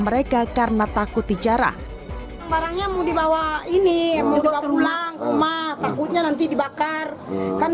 mereka karena takut dijarah barangnya mau dibawa ini mau dibawa pulang rumah takutnya nanti dibakar kan